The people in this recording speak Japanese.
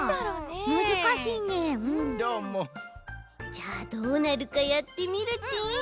じゃあどうなるかやってみるち。